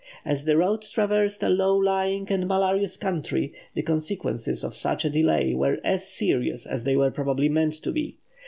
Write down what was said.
As the road traversed a low lying and malarious country, the consequences of such a delay were as serious as they were probably meant to be.